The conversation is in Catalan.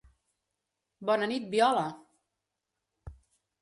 Bona nit, viola!